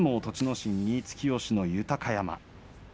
心に突き押しの豊山。